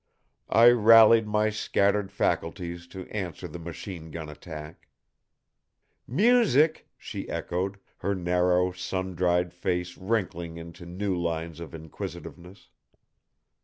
I rallied my scattered faculties to answer the machine gun attack. "Music?" she echoed, her narrow, sun dried face wrinkling into new lines of inquisitiveness.